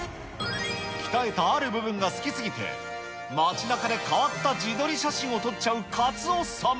鍛えたある部分が好きすぎて、街なかで変わった自撮り写真を撮っちゃうカツオさん。